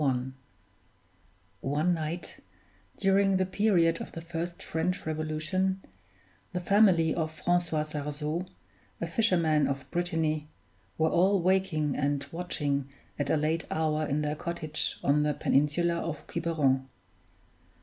One night, during the period of the first French Revolution, the family of Francois Sarzeau, a fisherman of Brittany, were all waking and watching at a late hour in their cottage on the peninsula of Quiberon.